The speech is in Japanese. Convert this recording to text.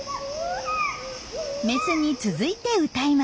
メスに続いて歌います。